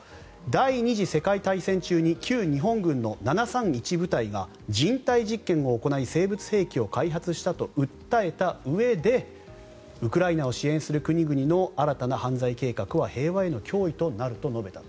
第２次世界大戦中に旧日本軍の７３１部隊が人体実験を行い生物兵器を開発したと訴えたうえでウクライナを支援する国々の新たな犯罪計画は平和への脅威となると述べた。